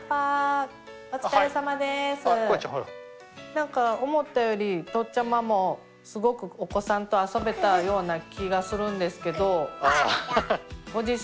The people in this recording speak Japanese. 何か思ったよりとっちゃまもすごくお子さんと遊べたような気がするんですけどご自身でどうですか？